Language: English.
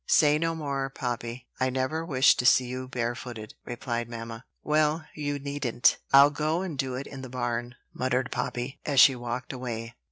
"Say no more, Poppy. I never wish to see you barefooted," replied mamma. "Well, you needn't: I'll go and do it in the barn," muttered Poppy, as she walked away.